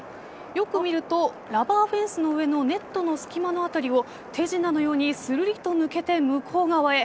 よく見るとラバーフェンスの上のネットの隙間の辺りを手品のようにスルリと抜けて向こう側へ。